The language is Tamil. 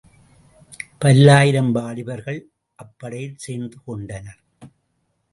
பல்லாயிரம் வாலிபர்கள் அப்படையில் சேர்ந்து கொண்டனர்.